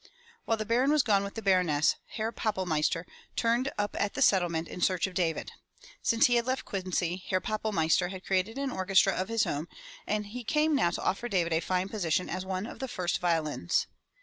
While the Baron was gone with the Baroness, Herr Pappel meister turned up at the Settlement in search of David. Since he had left Quincy, Herr Pappelmeister had created an orchestra of his own and he came now to offer David a fine position as one of the first violins.